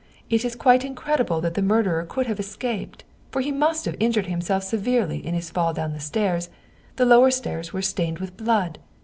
It is quite incredible that the murderer could have escaped, for he must have injured himself severely in his fall down the stairs. The lower steps were stained with blood.